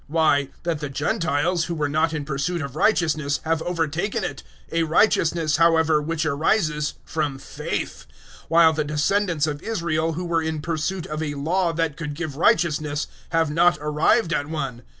Why, that the Gentiles, who were not in pursuit of righteousness, have overtaken it a righteousness, however, which arises from faith; 009:031 while the descendants of Israel, who were in pursuit of a Law that could give righteousness, have not arrived at one.